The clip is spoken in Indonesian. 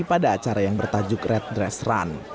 pada acara yang bertajuk red dress run